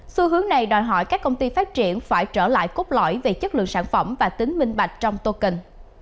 xu hướng này đòi hỏi các công ty phát triển phải trở lại cốt lõi về chất lượng sản phẩm và tính minh bạch trong token